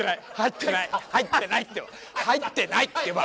入ってないってば！